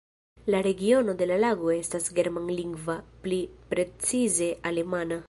La regiono de la lago estas germanlingva, pli precize alemana.